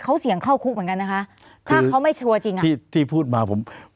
เขาเสี่ยงเข้าคุกเหมือนกันนะคะถ้าเขาไม่ชัวร์จริงอ่ะที่ที่พูดมาผม